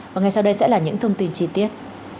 và ngay sau đây sẽ là những thông tin chi tiết